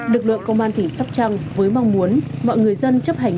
lực lượng công an thỉnh sắp trăng với mong muốn mọi người dân chấp hành